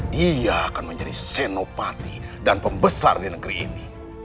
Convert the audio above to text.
dia akan menjadi senopati dan pembesar di negeri ini